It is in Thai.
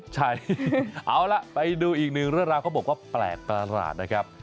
ใช่เอาล่ะไปดูอีกหนึ่งเรื่องราวเขาบอกว่าแปลกประหลาดนะครับ